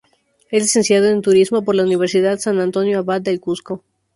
Es licenciado en turismo por la Universidad San Antonio Abad del Cusco.